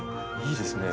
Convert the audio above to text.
いいですね。